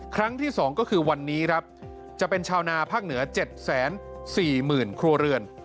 ครั้งที่๒ก็คือวันนี้ครับจะเป็นชาวนาภาคเหนือ๗๔๐๐๐ครัวเรือน